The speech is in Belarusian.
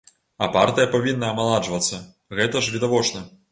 А партыя павінна амаладжвацца, гэта ж відавочна.